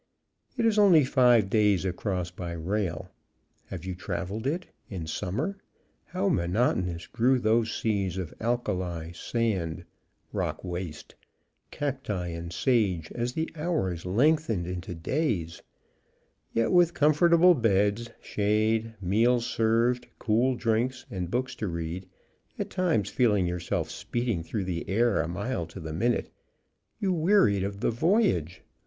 It is only five days across by rail. Have you traveled it in summer? How monotonous grew those seas of alkali, sand (rock waste), cacti and sage as the hours lengthened into days! Yet with comfortable beds, shade, meals served, cool drinks, and books to read, at times feeling yourself speeding through the air a mile to, the minute, you wearied of the "voyage."